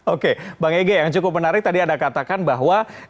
oke bang ege yang cukup menarik tadi anda katakan bahwa